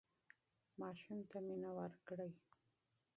ماشوم ته مینه ورکړه.